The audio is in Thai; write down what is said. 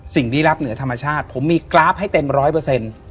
ลี้ลับเหนือธรรมชาติผมมีกราฟให้เต็มร้อยเปอร์เซ็นต์